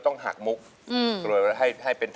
ร้องเข้าให้เร็ว